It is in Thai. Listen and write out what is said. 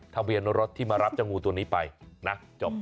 ทะเบียนรถที่มารับเจ้างูตัวนี้ไปนะจบ